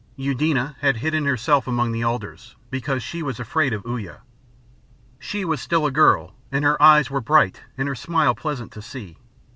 Eudena had hidden herself among the alders, because she was afraid of Uya. She was still a girl, and her eyes were bright and her smile pleasant to see.